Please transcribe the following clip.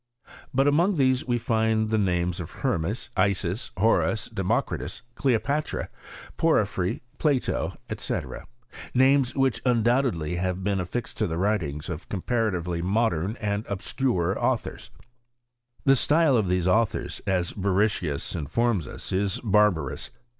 * But among these we find thd names of Hermes, Isis, Horus, Democritus, Cleopatra^ Porphyry i Plato, &c. — names which undoubtedly have been affixed to the writings of comparatively modem and obscure authors. The style of these authors, as Borrichius informs us, is barbarous.